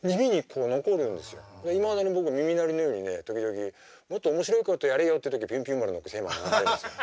いまだに僕耳鳴りのようにね時々もっと面白いことやれよっていう時「ピュンピュン丸」のテーマが流れるんですよ。